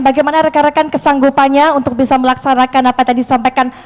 bagaimana rekan rekan kesanggupannya untuk bisa melaksanakan apa yang tadi disampaikan